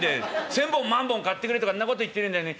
千本万本買ってくれとかんなこと言ってねんだよね。